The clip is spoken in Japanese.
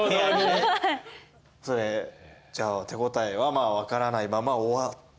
それじゃあ手応えはまあ分からないまま終わって。